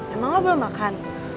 emang lo belum makan